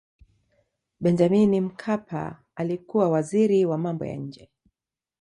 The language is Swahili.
benjamini mkapa alikuwa waziri wa mambo ya nje